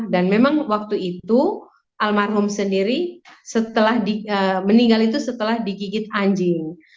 dan memang waktu itu almarhum sendiri meninggal itu setelah digigit anjing